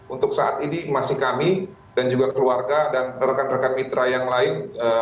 untuk saat ini masih kami dan juga keluarga dan rekan rekan mitra yang lain